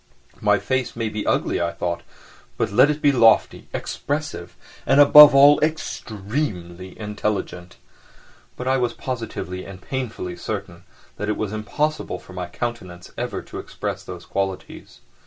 "My face may be ugly," I thought, "but let it be lofty, expressive, and, above all, extremely intelligent." But I was positively and painfully certain that it was impossible for my countenance ever to express those qualities.